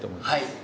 はい。